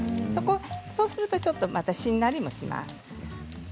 そうするとまたちょっとしんなりもします。